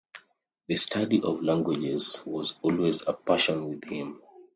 The study of languages was always a passion with him.